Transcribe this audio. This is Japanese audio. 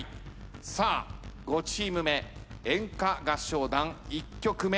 さあ５チーム目演歌合唱団１曲目何ポイントか。